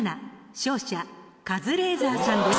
勝者カズレーザーさんです。